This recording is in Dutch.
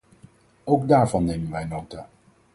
Ook daarvan nemen wij nota.